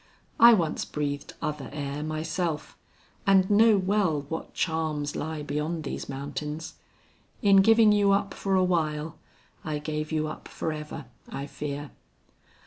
"I once breathed other air myself, and know well what charms lie beyond these mountains. In giving you up for awhile, I gave you up forever, I fear."